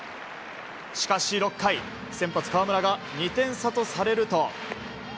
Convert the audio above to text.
しかし６回先発、河村が２点差とされると。